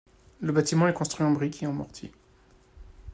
Le bâtiment est construit en briques et en mortier.